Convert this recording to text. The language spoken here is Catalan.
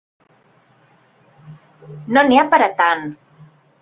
No n'hi ha per a tant.